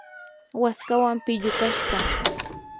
waskawan pillukashqa.